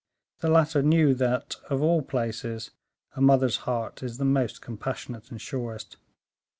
The latter knew that, of all places, a mother's heart is the most compassionate and surest.